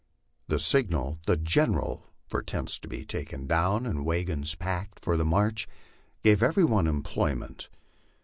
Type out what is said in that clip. The signal, "The general, for cents to be taken down and wagons packed for the march, gave every one em ployment.